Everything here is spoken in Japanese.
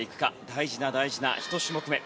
大事な大事な１種目め。